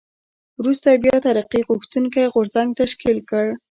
وروسته بیا ترقي غوښتونکی غورځنګ تشکیل کړ.